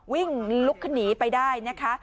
วิ่งลุกขึ้นหนีไปได้นะคะ